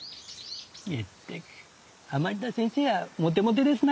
まったく甘利田先生はモテモテですな。